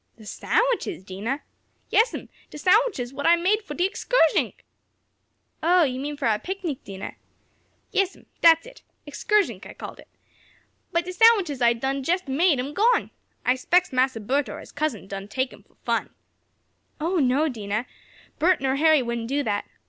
"The sandwiches, Dinah?" "Yes'm, de sandwiches what I done make fo' de excursnick!" "Oh, you mean for our picnic, Dinah?" "Yes'm, dat's it. Excursnick I calls it. But de sandwiches I done jest made am gone. I s'pects Massa Bert or his cousin done take 'em fo' fun." "Oh, no, Dinah. Bert nor Harry wouldn't do that.